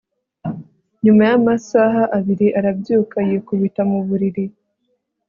nyuma yamasaha abiri arabyuka yikubita mu buriri